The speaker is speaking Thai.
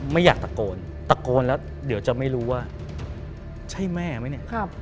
ไม่อยากตะโกนตะโกนแล้วเดี๋ยวจะไม่รู้ว่าใช่แม่ไหมเนี่ย